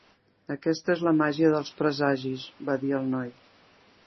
"Aquesta és la màgia dels presagis", va dir el noi.